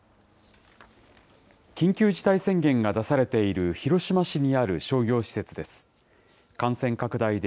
緊急事態宣言が出されている広島市にある商業施設です。